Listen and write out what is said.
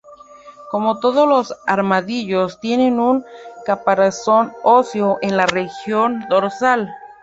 Como todos los armadillos, tiene un caparazón óseo en la región dorsal.